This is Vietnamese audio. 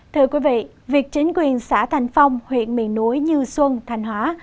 thưa quý vị việc chính quyền xã thành phong huyện miền núi như xuân thành hóa